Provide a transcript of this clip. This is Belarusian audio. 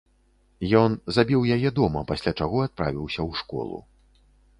Ён забіў яе дома, пасля чаго адправіўся ў школу.